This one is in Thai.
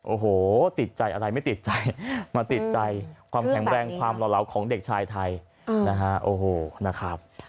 โอ้โหติดใจอะไรไม่ติดใจมาติดใจความแข็งแรงความหล่อเหลาของเด็กชายไทยนะฮะโอ้โหนะครับ